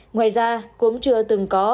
ngoài ra cũng chưa từng có